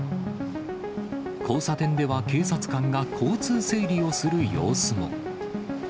交差点では警察官が交通整理をする様子も。